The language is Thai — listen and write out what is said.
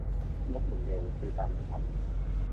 โลกหมุนเร็ว กูตามไม่ทัน